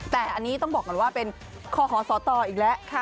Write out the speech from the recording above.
แต่อันนี้ต้องบอกกันว่าเป็นขอขอซ้อตออีกแล้วค่ะ